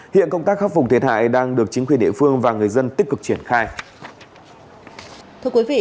hiện công tác khắc phục thiệt hại đang được chính quyền địa phương và người dân tích cực triển khai